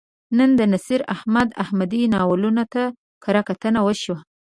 نن د نصیر احمد احمدي ناولونو ته کرهکتنه وشوه.